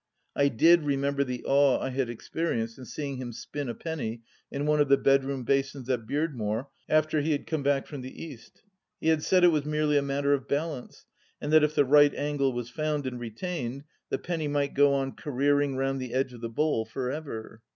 I did remember the awe I had experienced in seeing him spin a penny in one of the bedroom basins at Beardmore after he had come back from the East. He had said it was merely a matter of balance, and that if the right angle was found and retained, the penny might go on careering round the edge of the bowl for ever.